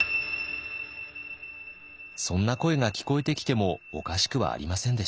そんな声が聞こえてきてもおかしくはありませんでした。